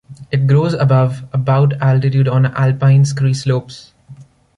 It grows above about altitude on alpine scree slopes.